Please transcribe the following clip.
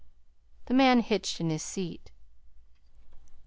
The man hitched in his seat.